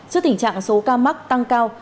trước tình trạng số cam mắc tăng cao